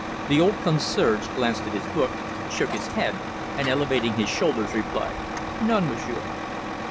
The old concierge glanced at his book, shook his head, and elevating his shoulders, replied: "Non, m'sieur."